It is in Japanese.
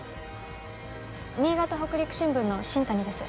新潟北陸新聞の新谷です。